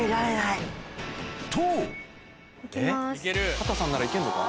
畑さんならいけるのか？